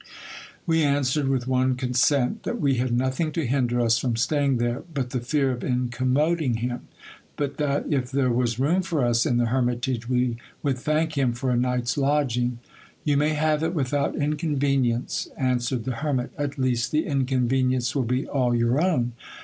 We answered with one consent, that we had nothing to hinder lis from staying there, but the fear of incommoding him ; but HISTORY OF DO.V ALPHONSO AXD SERAPHINA. ■57 that if there was room for us in the hermitage, we would thank him for a night's lodging. You may have it without inconvenience, answered the hermit, at least the inconvenience will be all your own.